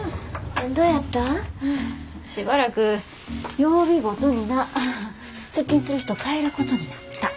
しばらく曜日ごとにな出勤する人変えることになった。